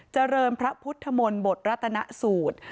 เจริญพระพุทธมนตรัตนสูตร